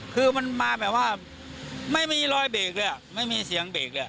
คือมันมาแบบว่าไม่มีรอยเบรกเลยอ่ะไม่มีเสียงเบรกเลย